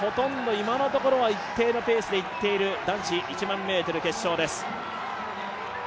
今のところは一定のペースでいっていに男子１００００ｍ決勝です。